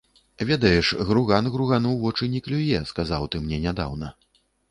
Ведаеш, груган гругану вочы не клюе, сказаў ты мне нядаўна.